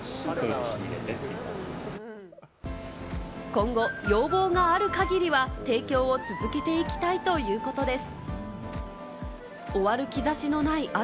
今後、要望がある限りは、提供を続けていきたいということです。